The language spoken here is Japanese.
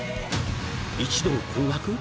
一同困惑？